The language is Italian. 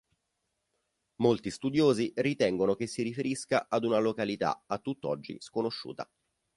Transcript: Molti studiosi ritengono che si riferisca ad una località, a tutt'oggi, sconosciuta.